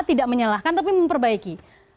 tidak menyalahkan tapi memperbaiki